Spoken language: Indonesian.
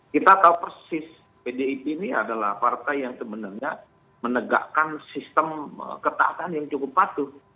kita tahu persis pdip ini adalah partai yang sebenarnya menegakkan sistem ketaatan yang cukup patuh